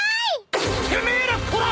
てめえらこら！